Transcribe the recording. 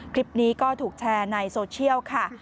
คลิปนี้ก็ถูกแชร์ในโซเชียลค่ะ